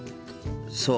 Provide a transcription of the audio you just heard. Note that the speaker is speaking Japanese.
そう。